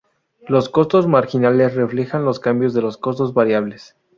Los costos marginales reflejan los cambios de los costos variables.